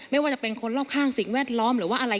ไม่ว่าจะเป็นคนรอบข้างสิ่งแวดล้อมหรือว่าอะไร